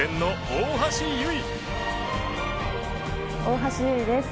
大橋悠依です。